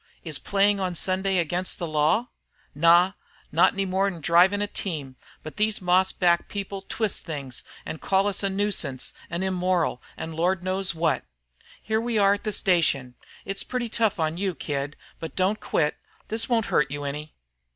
"Is playing on Sunday against the law?" "Naw. Not any more 'n drivin' a team; but these moss backed people twist things an' call us 'nuisances' an' 'immoral' an' Lord knows what. Here we are at the station, it's pretty tough on you, kid, but don't quit. This won't hurt you any."